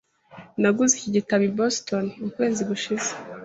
Naguze iki gitabo i Boston ukwezi gushize.